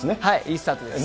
いいスタートです。